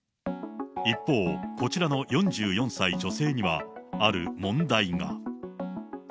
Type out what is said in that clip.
一方、こちらの４４歳女性には、ある問題が。